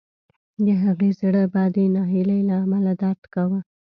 د هغې زړه به د ناهیلۍ له امله درد کاوه